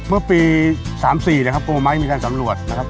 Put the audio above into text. เมื่อปี๓๔นะครับโปรไมค์มีการสำรวจนะครับ